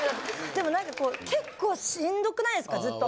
でも何か結構しんどくないですかずっと。